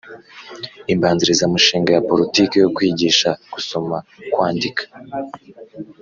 Imbanzirizamushinga ya politiki yo kwigisha gusoma kwandika